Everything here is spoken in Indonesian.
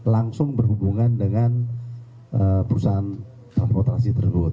langsung berhubungan dengan perusahaan transportasi tersebut